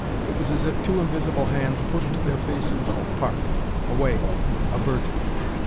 It was as if two invisible hands pushed their faces apart, away, averted.